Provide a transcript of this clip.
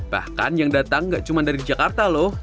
bahkan yang datang gak cuma dari jakarta loh